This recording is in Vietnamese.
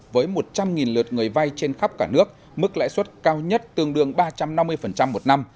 với một trăm linh lượt người vay trên khắp cả nước mức lãi suất cao nhất tương đương ba trăm năm mươi một năm